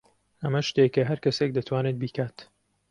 ئەمە شتێکە هەر کەسێک دەتوانێت بیکات.